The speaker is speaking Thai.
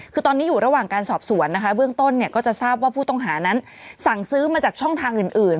คือตอนนี้อยู่ระหว่างการสอบสวนนะคะเบื้องต้นเนี่ยก็จะทราบว่าผู้ต้องหานั้นสั่งซื้อมาจากช่องทางอื่น